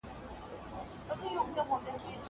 زه پرون سیر کوم!